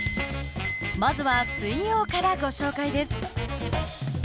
まずは水曜からご紹介です。